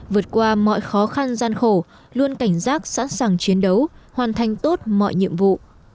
vượt qua mọi khó khăn gian khổ luôn cảnh giác sẵn sàng chiến đấu hoàn thành tốt mọi nhiệm vụ